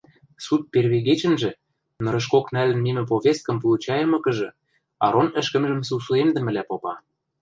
Суд первигечӹнжӹ, нырышкок нӓлӹн мимӹ повесткым получайымыкыжы, Арон ӹшкӹмжӹм сусуэмдӹмӹлӓ попа: